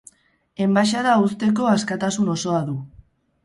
Enbaxada uzteko askatasun osoa du.